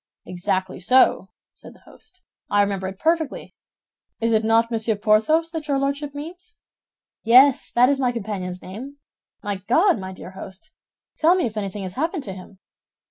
"Exactly so," said the host; "I remember it perfectly. It is not Monsieur Porthos that your Lordship means?" "Yes, that is my companion's name. My God, my dear host, tell me if anything has happened to him?"